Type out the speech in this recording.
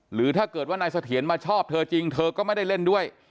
หรือถ้าเกิดว่านายเสถียรมาชอบเธอจริงเธอก็ไม่ได้เล่นด้วย